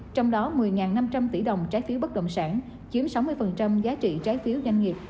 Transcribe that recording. trong đó một mươi năm trăm linh tỷ đồng trái phiếu bất động sản chiếm sáu mươi giá trị trái phiếu doanh nghiệp